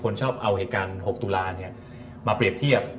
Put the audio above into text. ชอบเอาเหตุการณ์๖ตุลามาเปรียบเทียบ